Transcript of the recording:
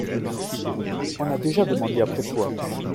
On a déjà demandé après toi.